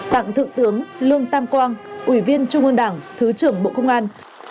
tặng thượng tướng lương tam quang ủy viên trung ương đảng thứ trưởng bộ công an